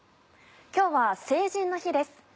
今日は成人の日です。